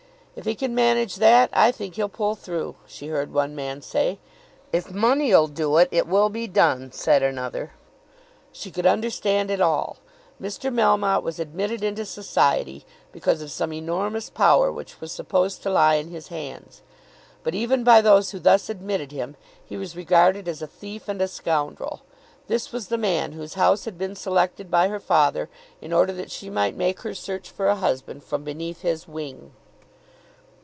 "If he can manage that I think he'll pull through," she heard one man say. "If money'll do it, it will be done," said another. She could understand it all. Mr. Melmotte was admitted into society, because of some enormous power which was supposed to lie in his hands; but even by those who thus admitted him he was regarded as a thief and a scoundrel. This was the man whose house had been selected by her father in order that she might make her search for a husband from beneath his wing!